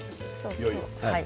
いよいよ。